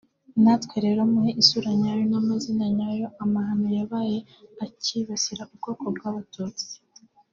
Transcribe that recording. Natwe rero muhe isura nyayo n’amazina nyayo amahano yabaye akibasira ubwoko bw’Abatutsi